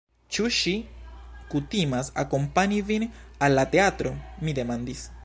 Ĉu ŝi kutimas akompani vin al la teatro? mi demandis.